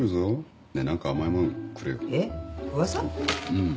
うん。